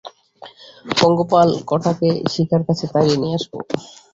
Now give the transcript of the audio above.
পঙ্গপাল কটাকে শিখার কাছে তাড়িয়ে নিয়ে আসব।